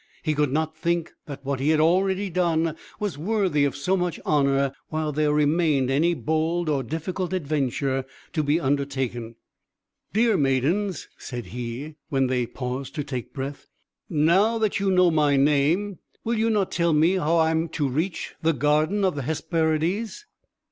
He could not think that what he had already done was worthy of so much honour, while there remained any bold or difficult adventure to be undertaken. "Dear maidens," said he, when they paused to take breath, "now that you know my name, will you not tell me how I am to reach the garden of the Hesperides?"